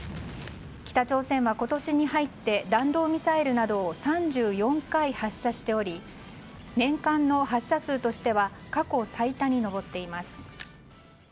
北朝鮮は今年に入って弾道ミサイルなどを３４回発射しており年間の発射数としては過去最多に上っています。